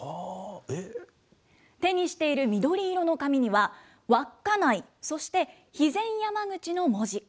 手にしている緑色の紙には、稚内、そして肥前山口の文字。